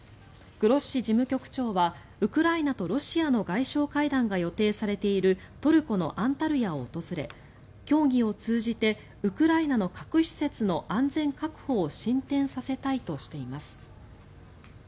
グロッシ事務局長はウクライナとロシアの外相会談が予定されているトルコのアンタルヤを訪れ協議を通じてウクライナの核施設の安全確保を進展させたいとしています。